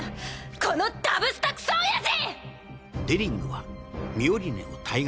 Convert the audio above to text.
このダブスタクソおやじ！